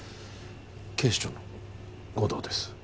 警視庁の護道です